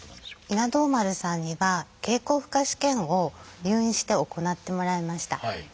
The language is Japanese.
稲童丸さんには経口負荷試験を入院して行ってもらいました。